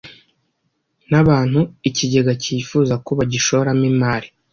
n abantu ikigega cyifuza ko bagishoramo imari